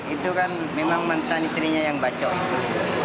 itu kan memang mantan istrinya yang bacok itu